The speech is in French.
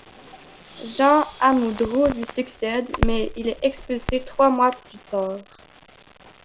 Jean Amoudru lui succède, mais il est expulsé trois mois plus tard.